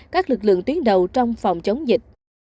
các lực lượng tuyến đầu trong phòng chống dịch